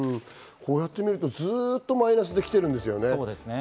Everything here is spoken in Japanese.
こうやってみるとずっとマイナスできてるんですよね。